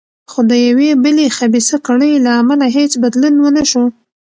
خو د یوې بلې خبیثه کړۍ له امله هېڅ بدلون ونه شو.